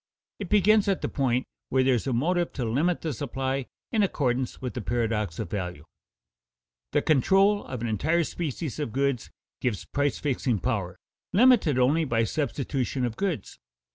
It begins at the point where there is a motive to limit the supply in accordance with the paradox of value. The control of an entire species of goods gives price fixing power, limited only by substitution of goods.